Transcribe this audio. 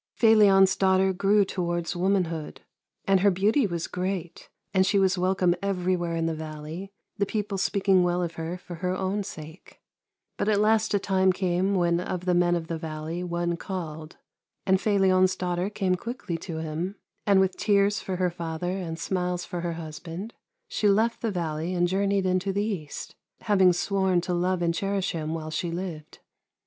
Felion's daughter grew towards womanhood, and her beauty was great, and she was welcome everywhere in the valley, the people speaking well of her for her own sake. But at last a time came when of the men of the valley one called, and Felion's daughter came quickly to him, and with tears for her father and smiles for her husband, she left the valley and journeyed into 338 THE LANE THAT HAD NO TURNING the east, having sworn to love and cherish him v^^hile she lived.